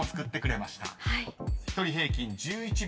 ［１人平均１１秒